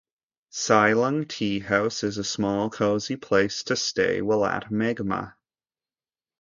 Sailung Tea House is a small cozy place to stay while at Meghma.